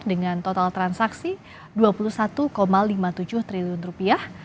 dengan total transaksi dua puluh satu lima puluh tujuh triliun rupiah